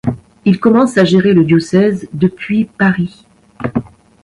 Il commence à gérer le diocèse depuis Paris.